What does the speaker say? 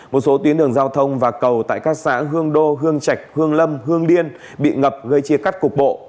một số tuyến đường giao thông và cầu tại các xã hương đô hương trạch hương lâm hương điên bị ngập gây chia cắt cục bộ